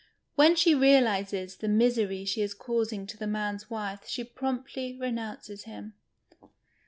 \Vlien she realizes the misery she is causing to I lie man's wife she promptly renoimces him.